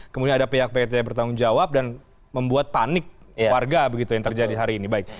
kemudian ada pihak pihak yang bertanggung jawab dan membuat panik warga begitu yang terjadi hari ini